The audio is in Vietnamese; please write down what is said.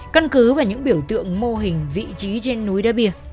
căn cứ và những biểu tượng mô hình vị trí trên núi đá bìa